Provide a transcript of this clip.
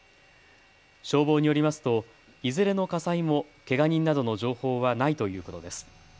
消防によりますといずれの火災もけが人などの情報はないということです。